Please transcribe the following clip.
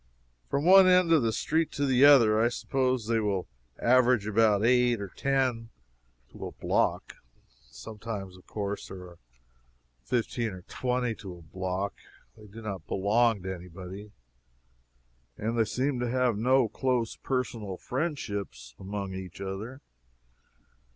From one end of the street to the other, I suppose they will average about eight or ten to a block. Sometimes, of course, there are fifteen or twenty to a block. They do not belong to any body, and they seem to have no close personal friendships among each other.